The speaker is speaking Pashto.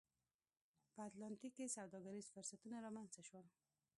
په اتلانتیک کې سوداګریز فرصتونه رامنځته شول